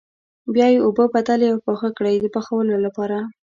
بیا یې اوبه بدلې او پاخه کړئ د پخولو لپاره.